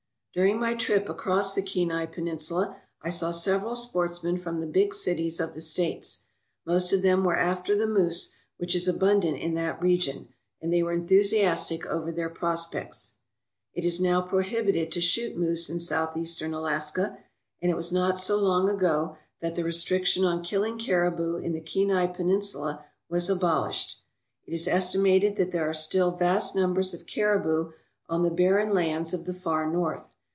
During my trip across the Kenai Peninsula I saw several sportsmen from the big cities of the States. Most of them were after the moose, which is abundant in that region, and they were enthusiastic over their prospects. It is now prohibited to shoot moose in Southeastern Alaska, and it was not so long ago that the restriction on killing caribou in the Kenai Peninsula was abolished. It is estimated that there are still vast numbers of caribou on the barren lands of the Far North.